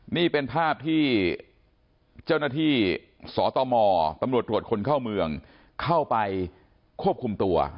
นี่เป็นภาพที่เจ้าหน้าที่สตมตำรวจตรวจคนเข้าเมืองเข้าไปควบคุมตัว